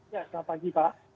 selamat pagi pak